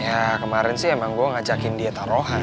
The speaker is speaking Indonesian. ya kemarin sih emang gue ngajakin dia taruhan